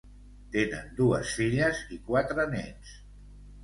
Tenen dues filles i quatre nets.